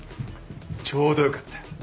ちょうどよかった。